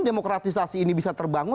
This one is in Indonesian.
demokratisasi ini bisa terbangun